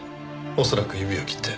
恐らく指を切って。